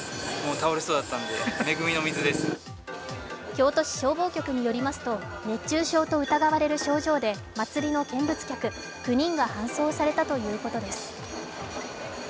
京都市消防局によりますと熱中症と疑われる症状で、祭りの見物客９人が搬送されたということです。